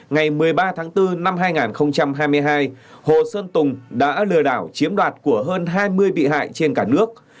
ngày một mươi ba tháng bốn năm hai nghìn hai mươi hai hồ sơn tùng đã lừa đảo chiếm đoạt của hơn hai mươi bị hại trên cả nước